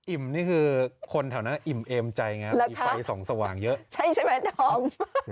นี่คือคนแถวนั้นอิ่มเอมใจไงมีไฟส่องสว่างเยอะใช่ใช่ไหมดอม